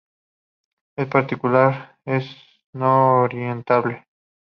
En particular, es no orientable.